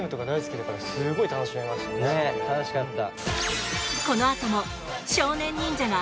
ねっ楽しかった。